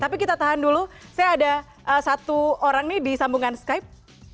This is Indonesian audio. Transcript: tapi kita tahan dulu saya ada satu orang nih di sambungan skype